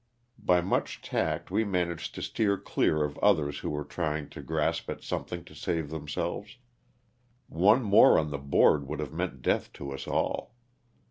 By much tact we managed to steer clear of others who were try ing to grasp at something to save themselves. One more on the board would have meant death to us all.